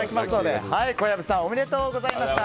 小籔さんおめでとうございました。